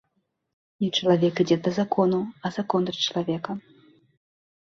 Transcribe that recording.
Не чалавек ідзе да закону, а закон да чалавека.